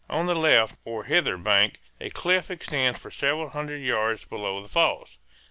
On the left or hither bank a cliff extends for several hundred yards below the falls.